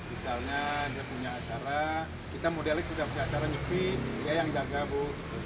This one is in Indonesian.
misalnya dia punya acara kita modelnya sudah punya acara nyepi dia yang jaga bu